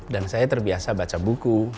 dan saya terbiasa baca buku